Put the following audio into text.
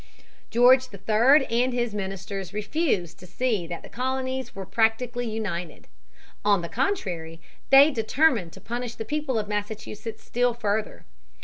George III and his ministers refused to see that the colonies were practically united. On the contrary, they determined to punish the people of Massachusetts still further.